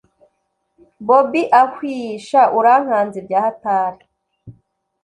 bobi ahwiih! sha urankanze byahatari